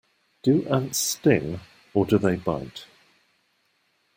Do ants sting, or do they bite?